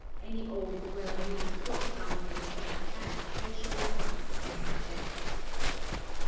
Any old well used book bound with a flat back will show at once this defect.